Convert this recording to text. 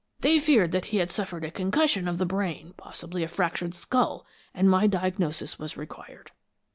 They feared that he had suffered a concussion of the brain, possibly a fractured skull, and my diagnosis was required.